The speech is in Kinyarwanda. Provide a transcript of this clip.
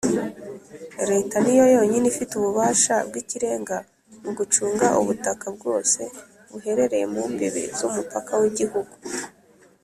Leta ni yo yonyine ifite ububasha bw’ikirenga mu gucunga ubutaka bwose buherereye mu mbibi z’umupaka w’Igihugu